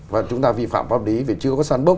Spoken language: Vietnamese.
và chúng ta vi phạm pháp lý vì chưa có sandbox